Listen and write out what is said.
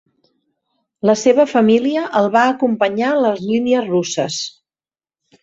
La seva família el va acompanyar a les línies russes.